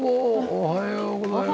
おはようございます。